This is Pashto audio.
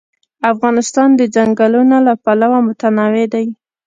افغانستان د ځنګلونه له پلوه متنوع دی.